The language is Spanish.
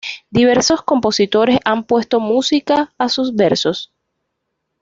Diversos compositores han puesto música a sus versos.